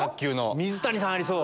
水谷さんありそう。